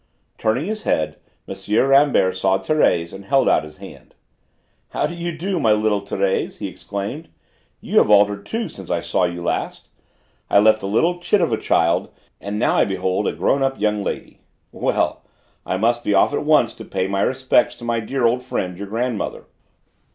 Turning his head, M. Rambert saw Thérèse and held out his hand. "How do you do, my little Thérèse?" he exclaimed. "You have altered too since I saw you last. I left a little chit of a child, and now I behold a grown up young lady. Well! I must be off at once to pay my respects to my dear old friend, your grandmother.